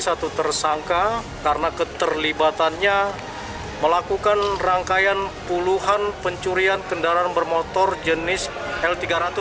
satu tersangka karena keterlibatannya melakukan rangkaian puluhan pencurian kendaraan bermotor jenis l tiga ratus